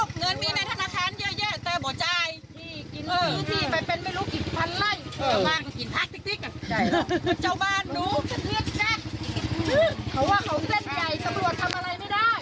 เพราะว่าเขาเส้นใหญ่ตำรวจทำอะไรไม่ได้